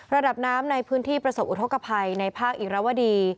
ระดับน้ำในพื้นที่ประสบอุทธกภัยในภาคอิรวดี